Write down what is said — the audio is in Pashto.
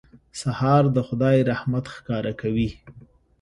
سهار د خدای رحمت ښکاره کوي.